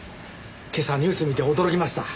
今朝ニュース見て驚きました。